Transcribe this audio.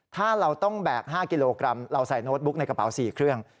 ถ้าเราต้องแบก๕กิโลกรัมเราใส่โน้ตบุ๊กในกระเป๋า๔เครื่อง